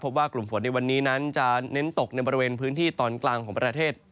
ว่ากลุ่มฝนในวันนี้นั้นจะเน้นตกในบริเวณพื้นที่ตอนกลางของประเทศ